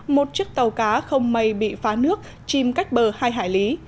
một chiếc tàu cá không may bị phá nước chim cách bờ hai hải lý